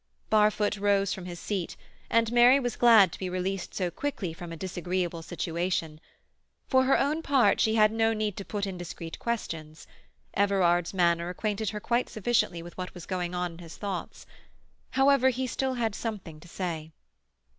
Barfoot rose from his seat, and Mary was glad to be released so quickly from a disagreeable situation. For her own part she had no need to put indiscreet questions; Everard's manner acquainted her quite sufficiently with what was going on in his thoughts. However, he had still something to say.